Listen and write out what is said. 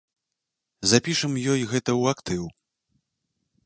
Запішам ёй гэта ў актыў.